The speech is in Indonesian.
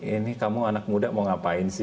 ini kamu anak muda mau ngapain sih